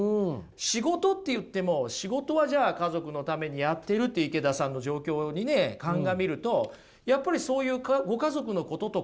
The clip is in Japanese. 仕事って言っても仕事はじゃあ家族のためにやってるって池田さんの状況にね鑑みると。